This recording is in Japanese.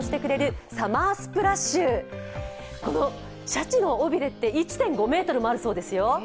シャチの尾びれって１．５ｍもあるそうですよ。